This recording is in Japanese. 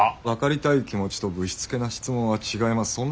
分かりたい気持ちとぶしつけな質問は違います。